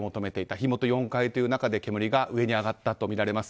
火元は４階ですが煙が上に上がったとみられます。